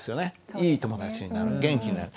いい友達になる元気になる。